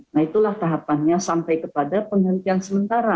nah itulah tahapannya sampai kepada penghentian sementara